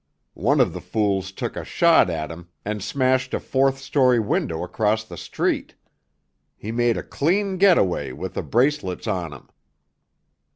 One of the fools took a shot at him and smashed a fourth story window across the street. He made a clean get away with the bracelets on him!